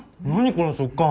この食感。